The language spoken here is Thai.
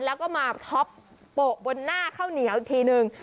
แล้วก็มาท็อปโปะบนหน้าข้าวเหนียวอีกทีนึง